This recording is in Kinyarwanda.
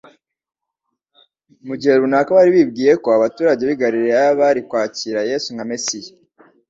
Mu gihe runaka bari bibwiye ko abaturage b'i Galilaya bari kwakira Yesu nka Mesiya,